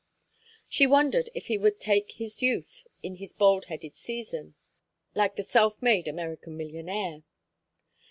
She wondered if he would take his youth in his bald headed season, like the self made American millionaire.